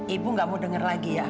ibu gak mau denger lagi ya